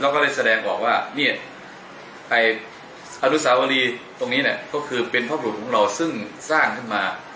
ก็เลยแสดงออกว่านี่ของอารุศาวรีตรงนี้ก็คือเป็นพ่อผลุที่ของเราซึ่งสร้างขึ้นมา